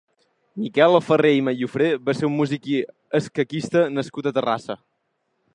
Miquel Farré i Mallofré va ser un músic i escaquista nascut a Terrassa.